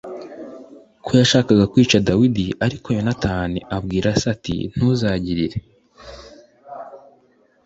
ko yashakaga kwica Dawidi Ariko Yonatani abwira se ati ntuzagirire